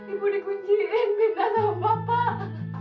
ibu dikunciin pindah sama bapak